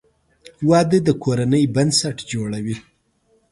• واده د کورنۍ بنسټ جوړوي.